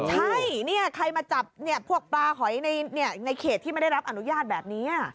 ใช่นี่ใครมาจับพวกปลาหอยในเขตที่ไม่ได้รับอนุญาตแบบนี้